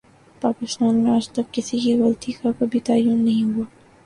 پاکستان میں آج تک کسی کی غلطی کا کبھی تعین نہیں ہوا